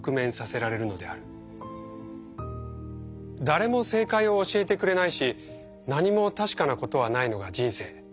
誰も正解を教えてくれないし何も確かなことはないのが人生。